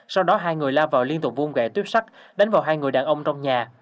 sau đó hai người la vào liên tục vuông ghé tuyếp sắt đánh vào hai người đàn ông trong nhà